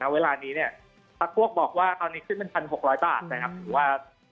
เวลานี้พวกบอกว่าของตอนนี้เป็น๑๖๐๐บาทนะครับ